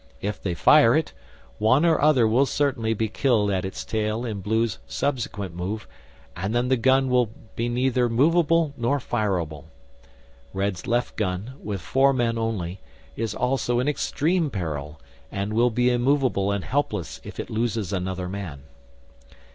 If they fire it, one or other will certainly be killed at its tail in Blue's subsequent move, and then the gun will be neither movable nor fireable. Red's left gun, with four men only, is also in extreme peril, and will be immovable and helpless if it loses another man.